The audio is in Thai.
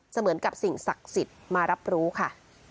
เหมือนกับสิ่งศักดิ์สิทธิ์มารับรู้ค่ะ